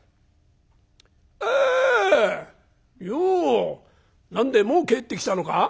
「よう何でえもう帰ってきたのか？